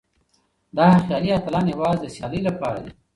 دا خيالي اتلان يوازې د سيالۍ لپاره دي.